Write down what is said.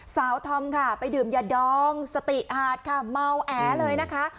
ธอมค่ะไปดื่มยาดองสติอาจค่ะเมาแอเลยนะคะ